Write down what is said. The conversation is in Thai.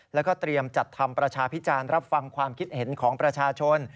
แล้วก็เตรียมจัดทำประชาพิจารณ์รับฟังความคิดเห็นของประชาชน